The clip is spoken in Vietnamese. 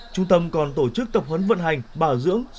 trung tâm còn tổ chức tập huấn vận hành bảo dưỡng